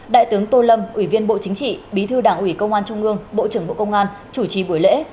đại tướng tô lâm ủy viên bộ chính trị bí thư đảng ủy công an trung ương bộ trưởng bộ công an chủ trì buổi lễ